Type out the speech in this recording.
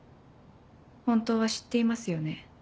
本当は知っていますよね？